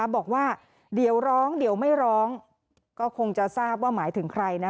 บอกว่าเดี๋ยวร้องเดี๋ยวไม่ร้องก็คงจะทราบว่าหมายถึงใครนะ